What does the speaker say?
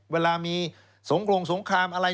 เวลามีสงครงสงครามอะไร